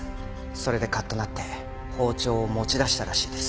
それでカッとなって包丁を持ち出したらしいです。